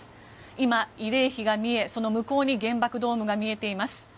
今、慰霊碑が見え、その向こうに原爆ドームが見えています。